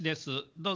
どうぞ。